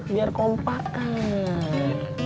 biar kompak kan